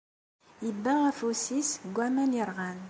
Yebbeɣ afus-is deg waman yerɣan.